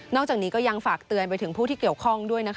จากนี้ก็ยังฝากเตือนไปถึงผู้ที่เกี่ยวข้องด้วยนะคะ